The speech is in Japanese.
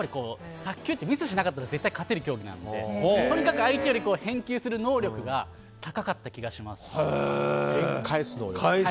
卓球ってミスをしなければ勝てる競技なので相手より返球する能力が高かった気がします。